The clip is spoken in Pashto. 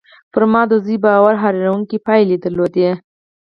پر ما د زوی باور حيرانوونکې پايلې درلودې